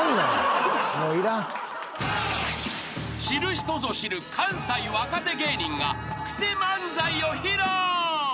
［知る人ぞ知る関西若手芸人がクセ漫才を披露］